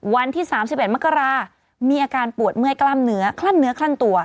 วันที่๓๑มกรามีอาการปวดเมื่อยกล้ามเนื้อคลั่นเนื้อคลั่นตัว